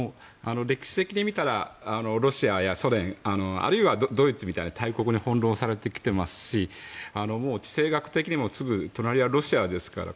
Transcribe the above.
歴史的に見たらロシアやソ連あるいはドイツみたいな大国に翻弄されてきていますし地政学的にもすぐ隣はロシアですから。